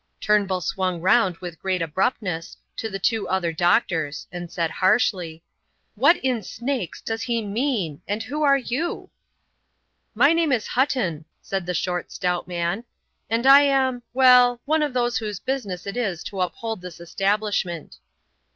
Turnbull swung round with great abruptness to the other two doctors, and said, harshly: "What in snakes does he mean and who are you?" "My name is Hutton," said the short, stout man, "and I am well, one of those whose business it is to uphold this establishment."